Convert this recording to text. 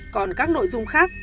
còn các nội dung khác